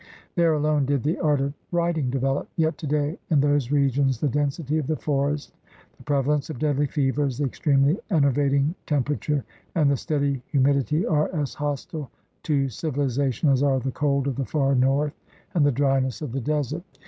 There alone did the art of writing develop. Yet today in those regions the density of the forest, the prevalence of deadly fevers, the extremely enervating tempera ture, and the steady humidity are as hostile to civilization as are the cold of the far north and the dryness of the desert.